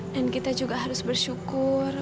dan kita juga harus bersyukur